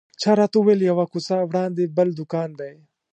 چا راته وویل یوه کوڅه وړاندې بل دوکان دی.